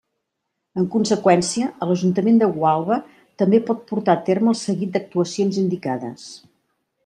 En conseqüència, l'Ajuntament de Gualba també pot portar a terme el seguit d'actuacions indicades.